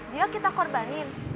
dia kita korbanin